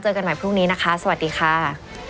กันใหม่พรุ่งนี้นะคะสวัสดีค่ะ